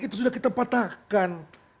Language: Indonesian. itu sudah kita patahkan